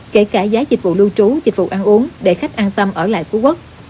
kể cả giá dịch vụ lưu trú dịch vụ ăn uống để khách an tâm ở lại phú quốc